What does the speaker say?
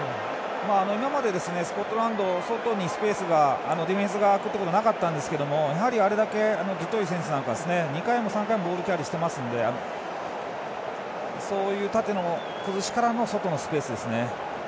今まで、スコットランドはディフェンスの外にスペースが空くことはなかったんですがあれだけデュトイ選手なんかが２回も３回もボールをキャリーしていますのでそういう縦の崩しからの外のスペースですね。